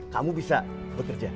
kamu bisa bekerja